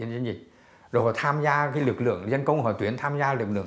rồi họ tham gia cái lực lượng dân công họ tuyến tham gia lực lượng